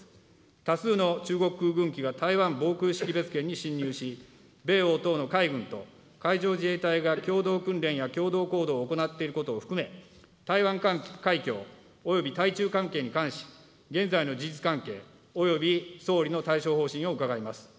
多数の中国軍機が台湾防空識別圏に進入し、米欧等の海軍と海上自衛隊が共同訓練や共同行動を行っていることを含め、台湾海峡、および台中関係に関し、現在の事実関係、および総理の対処方針を伺います。